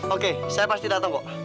oke saya pasti datang bu